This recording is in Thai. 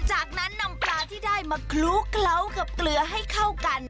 จากนั้นนำปลาที่ได้มาคลุกเคล้ากับเกลือให้เข้ากัน